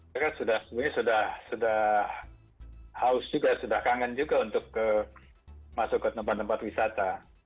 mereka sebenarnya sudah haus juga sudah kangen juga untuk masuk ke tempat tempat wisata